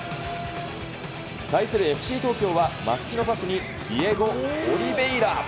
対するＦＣ東京は、松木のパスにディエゴ・オリヴェイラ。